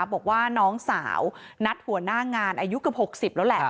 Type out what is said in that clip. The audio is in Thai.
บอกว่าน้องสาวนัดหัวหน้างานอายุเกือบ๖๐แล้วแหละ